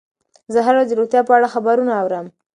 زه هره ورځ د روغتیا په اړه خبرونه اورم.